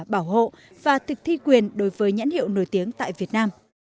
bảo hộ và thực thi quyền đối với nhãn hiệu nổi tiếng tại việt nam